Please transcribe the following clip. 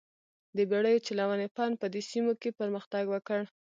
د بېړیو چلونې فن په دې سیمو کې پرمختګ وکړ.